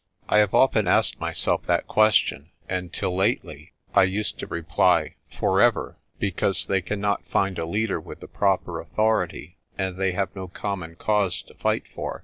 I have often asked myself that question, and till lately I used to reply, ( For ever, because they cannot find a leader with the proper authority, and they have no common cause to fight for.'